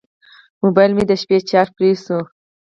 موبایل مې د شپې چارج پرې شو.